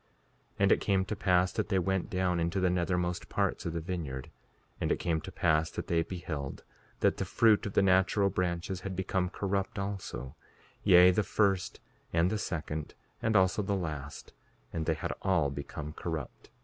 5:39 And it came to pass that they went down into the nethermost parts of the vineyard. And it came to pass that they beheld that the fruit of the natural branches had become corrupt also; yea, the first and the second and also the last; and they had all become corrupt.